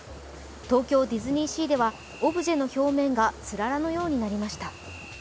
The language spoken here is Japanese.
東京ディズニーシーではオブジェの表面がつららのようになりました。